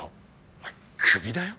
お前クビだよ？